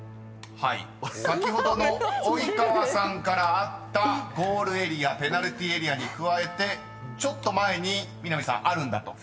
［先ほどの及川さんからあったゴールエリアペナルティエリアに加えてちょっと前に南さんあるんだと］